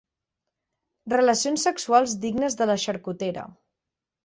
Relacions sexuals dignes de la xarcutera.